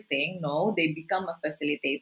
tidak mereka menjadi pengasas